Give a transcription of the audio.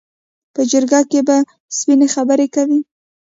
په جرګه کې به سپینې خبرې کوي.